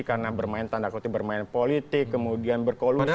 karena bermain tanda kutip bermain politik kemudian berkoalusi